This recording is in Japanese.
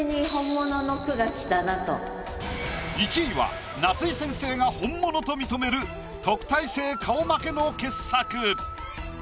１位は夏井先生が本物と認める特待生顔負けの傑作！